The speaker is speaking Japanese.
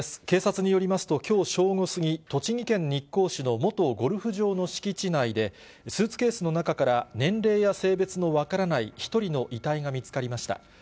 警察によりますと、きょう正午過ぎ、栃木県日光市の元ゴルフ場の敷地内で、スーツケースの中から、年齢や性別の分からない１人の遺体が見つかりました。